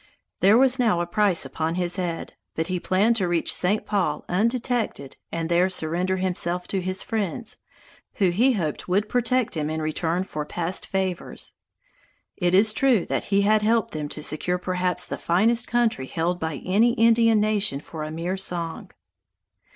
There was now a price upon his head, but he planned to reach St. Paul undetected and there surrender himself to his friends, who he hoped would protect him in return for past favors. It is true that he had helped them to secure perhaps the finest country held by any Indian nation for a mere song.